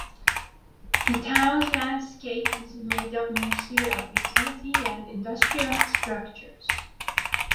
The town's landscape is made up mostly of utility and industrial structures.